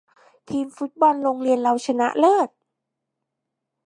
ทีมฟุตซอลโรงเรียนเราชนะเลิศ